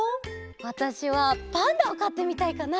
わたしはパンダをかってみたいかな！